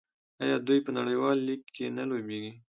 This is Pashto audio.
آیا دوی په نړیوال لیګ کې نه لوبېږي؟